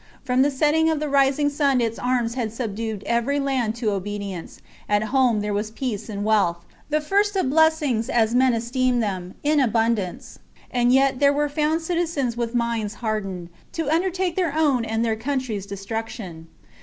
From the setting to the rising sun its arms had subdued every land to obedi ence; at home there was peace and wealth, the RACY OF CATILINE. 31 first of ble n:^, nen esteem them, in abund ^J^^j ance; and yet thtr v/cre found citizens with minds hardened, to rheir own and their country's destruction.